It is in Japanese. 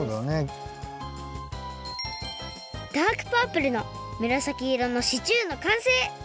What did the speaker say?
ダークパープルのむらさきいろのシチューのかんせい！